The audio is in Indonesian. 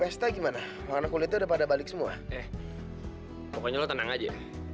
sampai jumpa di video selanjutnya